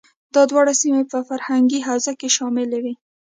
دا دواړه سیمې په فرهنګي حوزه کې شاملې وې.